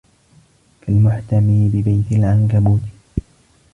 كالمحتمي ببيت العنكبوت